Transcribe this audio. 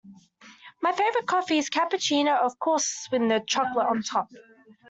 My favourite coffee is cappuccino, of course with no chocolate on the top